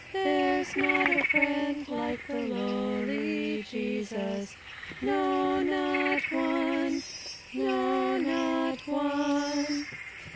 There's not a friend like the low ly Je sus, No, not one! no, not one!